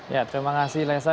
ya terima kasih lesa